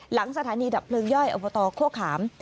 หลังสถานีดับเพลิงย่อยอบตโฆขาม